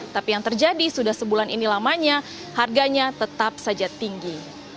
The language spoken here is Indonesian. tapi yang terjadi sudah sebulan ini lamanya harganya tetap saja tinggi